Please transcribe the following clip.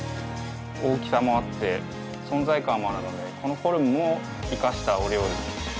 大きさもあって存在感もあるのでこのフォルムも生かしたお料理。